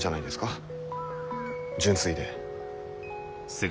純粋で。